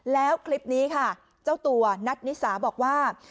แล้วคลิปนี้ค่ะเจ้าตัวนัทนิสาบอกว่า